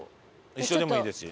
一緒でもいいですし。